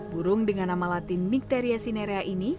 burung dengan nama latin mikteria sinerea ini